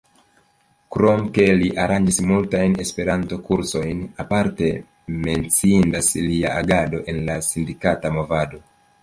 Krom ke li aranĝis multajn Esperanto-kursojn, aparte menciindas lia agado en la sindikata movado.